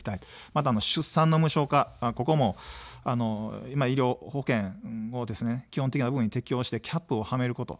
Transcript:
また、出産の無償化、ここも医療保険を基本的に適用してキャップをはめること。